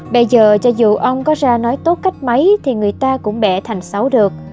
bây giờ cho dù ông có ra nói tốt cách mấy thì người ta cũng bẻ thành xấu được